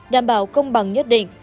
đảm bảo công bằng nhất định